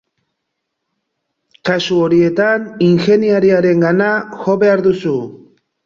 Kasu horietan ingeniariarengana jo behar duzu.